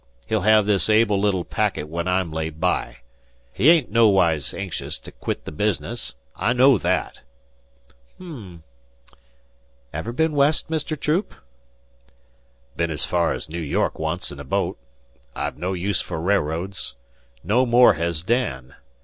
He'll hev this able little packet when I'm laid by. He ain't noways anxious to quit the business. I know that." "Mmm! 'Ever been West, Mr. Troop?" "'Bin's fer ez Noo York once in a boat. I've no use for railroads. No more hez Dan.